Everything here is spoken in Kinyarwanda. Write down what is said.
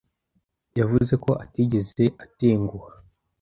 yavuze ko atigeze atenguha.